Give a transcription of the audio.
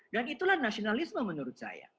dan itulah nasionalisme menurut saya